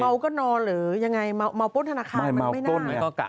ก็นอนหรือยังไงเมาป้นธนาคารมันไม่น่า